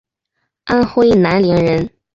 安徽南陵人。